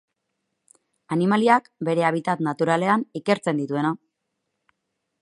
Animaliak bere habitat naturalean ikertzen dituena.